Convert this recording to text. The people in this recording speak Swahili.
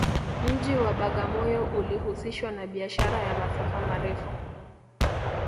mji wa bagamoyo ulihusishwa na biashara ya masafa marefu